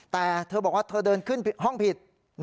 แต่เธอบอกว่าเธอเดินขึ้นห้องผิด